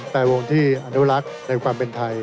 แต่วงที่อนุรักษ์ในความเป็นไทย